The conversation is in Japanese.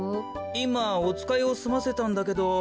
いまおつかいをすませたんだけど。